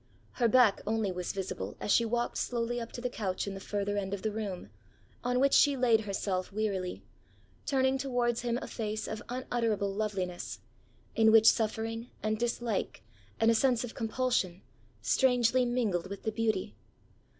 Her back only was visible as she walked slowly up to the couch in the further end of the room, on which she laid herself wearily, turning towards him a face of unutterable loveliness, in which suffering, and dislike, and a sense of compulsion, strangely mingled with the beauty.